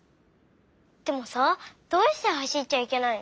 でもさどうしてはしっちゃいけないの？